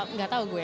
nggak tahu gue